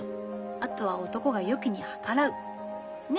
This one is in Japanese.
あとは男がよきに計らう。ね？